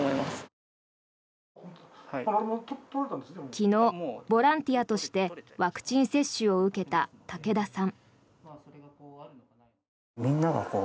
昨日、ボランティアとしてワクチン接種を受けた竹田さん。